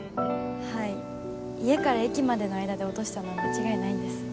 はい家から駅までの間で落としたのは間違いないんです。